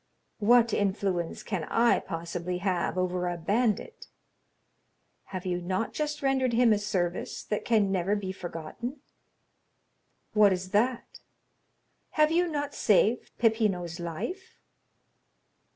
"What influence can I possibly have over a bandit?" "Have you not just rendered him a service that can never be forgotten?" "What is that?" "Have you not saved Peppino's life?"